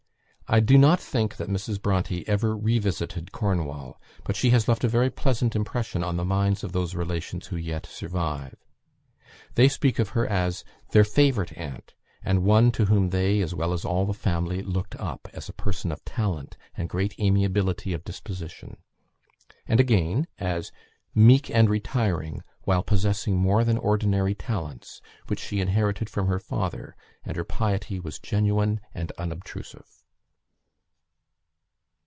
I do not think that Mrs. Bronte ever revisited Cornwall, but she has left a very pleasant impression on the minds of those relations who yet survive; they speak of her as "their favourite aunt, and one to whom they, as well as all the family, looked up, as a person of talent and great amiability of disposition;" and, again, as "meek and retiring, while possessing more than ordinary talents, which she inherited from her father, and her piety was genuine and unobtrusive."